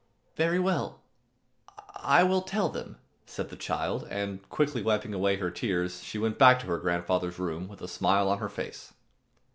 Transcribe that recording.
"Very well, I will tell them," said the child, and quickly wiping away her tears she went back to her grandfather's room with a smile on her face.